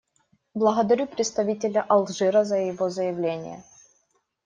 Благодарю представителя Алжира за его заявление.